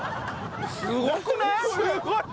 すごくない？